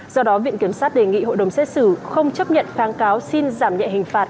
do đó viện kiểm sát đề nghị hội đồng xét xử không chấp nhận kháng cáo xin giảm nhẹ hình phạt